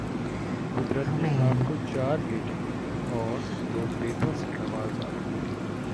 قدرت نے آپ کو چار بیٹوں اور دو بیٹیوں سے نوازا